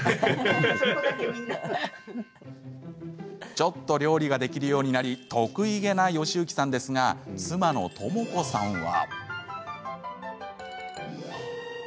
ちょっと料理ができるようになり得意気な義之さんですが妻の智子さんは。